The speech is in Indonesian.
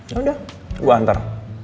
yaudah gue antar